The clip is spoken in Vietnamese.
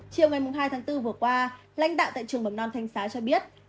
chiều ngày hai tháng bốn vừa qua lãnh đạo tại trường mầm non thanh xá cho biết